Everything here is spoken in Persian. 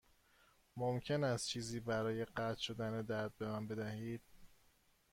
ممکن است چیزی برای قطع شدن درد به من بدهید؟